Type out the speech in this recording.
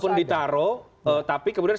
jangan jangan kalau pun ditaruh